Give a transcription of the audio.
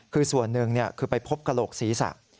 คือส่วนหนึ่งคือไปพบกระโหลกศีรษะ